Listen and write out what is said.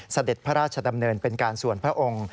เสด็จพระราชดำเนินเป็นการส่วนพระองค์